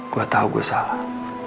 gue tahu gue salah